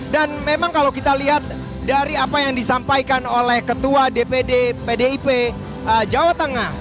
dan memang kalau kita lihat dari apa yang disampaikan oleh ketua dpd pdip jawa tengah